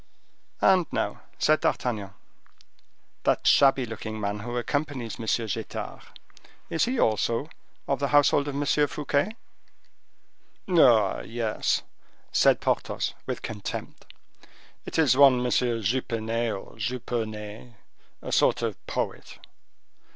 "And now," said D'Artagnan, "that shabby looking man, who accompanies M. Getard, is he also of the household of M. Fouquet?" "Oh! yes," said Porthos, with contempt; "it is one M. Jupenet, or Juponet, a sort of poet."